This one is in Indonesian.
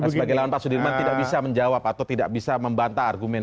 sebagai lawan pak sudirman tidak bisa menjawab atau tidak bisa membantah argumen